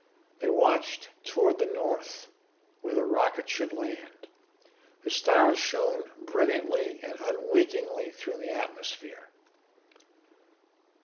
They watched toward the north, where the rocket should land. The stars shone brilliantly and unwinkingly through the atmosphere.